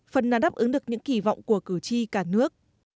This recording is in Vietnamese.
phần nào đáp ứng được những kỳ vọng của cử tri cả nước